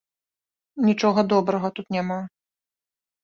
Нічога добрага тут няма.